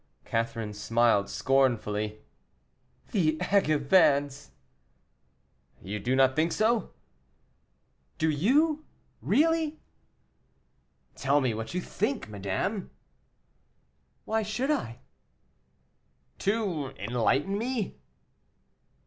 Catherine smiled scornfully. "The Angevins!" "You do not think so?" "Do you, really?" "Tell me what you think, madame." "Why should I?" "To enlighten me."